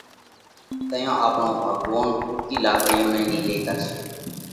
تئيون آپڻو ڀڳوونَ آپڻِي ۿُوڪِي لاڪڙِي نئہ نِيلئِي ڪرشي۔